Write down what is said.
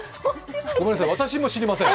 ごめんなさい、私も知りません。